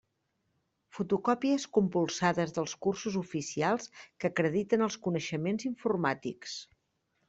Fotocòpies compulsades dels cursos oficials que acrediten els coneixements informàtics.